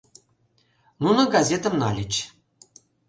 Нуно газетым нальыч.